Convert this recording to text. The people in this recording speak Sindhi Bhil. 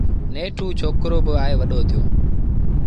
نيٺ اُ ڇوڪرو با آئي وڏو ٿيو